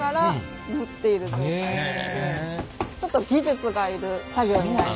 ちょっと技術がいる作業になります。